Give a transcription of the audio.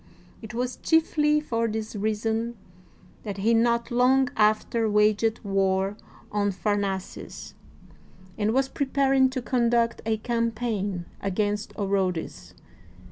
It was chiefly for this reason that he not long after waged war on Pharnaces, and was preparing to conduct a campaign against Orodes.